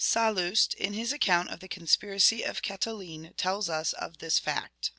Sallust, in his account of the conspiracy of Catiline, tells us of this fact.